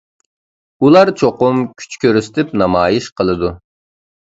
ئۇلار چوقۇم كۈچ كۆرسىتىپ نامايىش قىلىدۇ.